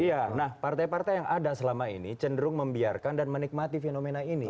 iya nah partai partai yang ada selama ini cenderung membiarkan dan menikmati fenomena ini